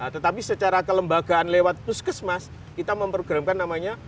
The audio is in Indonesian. tetapi secara kelembagaan lewat puskesmas kita memprogramkan namanya